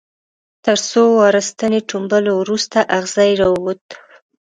تر څو واره ستنې ټومبلو وروسته اغزی را ووت.